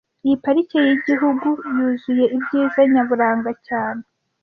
Iyi parike yigihugu yuzuye ibyiza nyaburanga cyane